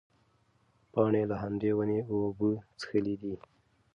پاڼې له همدې ونې اوبه څښلې دي.